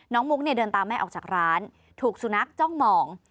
มุกเนี่ยเดินตามแม่ออกจากร้านถูกสุนัขจ้องมอง